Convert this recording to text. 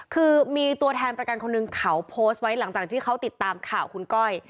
คือมีตัวแทนประกันคนหนึ่งเขาโพสต์ไว้หลังจากที่เขาติดตามข่าวคุณก้อย